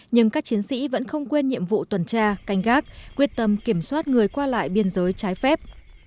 nhưng các chiến sĩ vẫn không quên nhiệm vụ tuần tra canh gác quyết tâm kiểm soát người qua lại biên giới trái phép